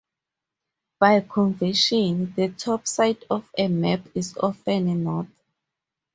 By convention, the top side of a map is often north.